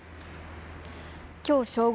きょう正